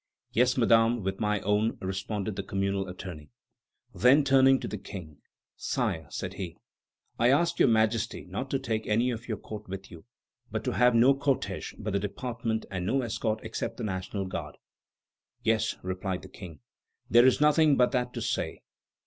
"Yes, Madame, with my own," responded the communal attorney. Then, turning to the King: "Sire," said he, "I ask Your Majesty not to take any of your court with you, but to have no cortège but the department and no escort except the National Guard." "Yes," replied the King, "there is nothing but that to say."